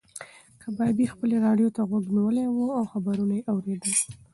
کبابي خپلې راډیو ته غوږ نیولی و او خبرونه یې اورېدل.